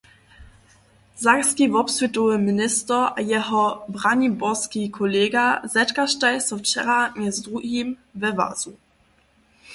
Sakski wobswětowy minister a jeho braniborski kolega zetkaštaj so wčera mjez druhim we Łazu.